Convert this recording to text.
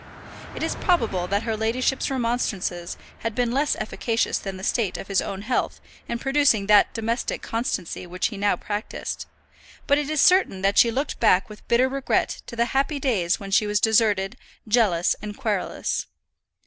It is probable that her ladyship's remonstrances had been less efficacious than the state of his own health in producing that domestic constancy which he now practised; but it is certain that she looked back with bitter regret to the happy days when she was deserted, jealous, and querulous.